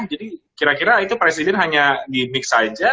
jadi kira kira itu presiden hanya gimmick saja